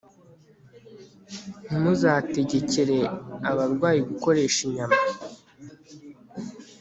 Ntimuzategekere abarwayi gukoresha inyama